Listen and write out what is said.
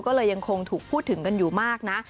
ก็เลยยังคงถูกพูดถึงกันอยู่มากนะ